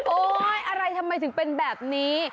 อะไรทำไมถึงเป็นแบบนี้